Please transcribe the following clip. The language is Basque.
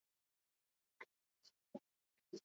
Jauregi itxurako eraikin neoklasiko dotore baten egoitza du.